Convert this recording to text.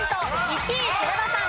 １位寺田さん